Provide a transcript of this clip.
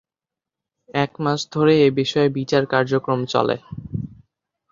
এক মাস ধরে এ বিষয়ে বিচার কার্যক্রম চলে।